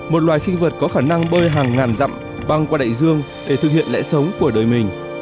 một loài sinh vật có khả năng bơi hàng ngàn dặm băng qua đại dương để thực hiện lẽ sống của đời mình